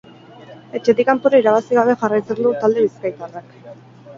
Etxetik kanpora irabazi gabe jarraitzen du talde bizkaitarrak.